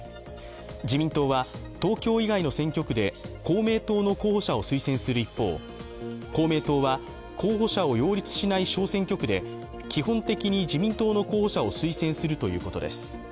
自民党は、東京以外の選挙区で公明党の候補者を推薦する一方推薦する一方、公明党は候補者を擁立しない選挙区で基本的に自民党の候補者を推薦するということです。